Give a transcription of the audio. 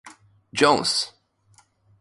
Jones!